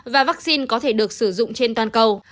và vaccine có thể được sử dụng trên toàn cầu